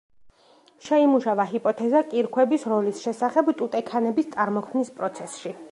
შეიმუშავა ჰიპოთეზა კირქვების როლის შესახებ ტუტე ქანების წარმოქმნის პროცესში.